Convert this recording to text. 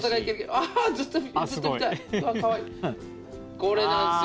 これなんすよ。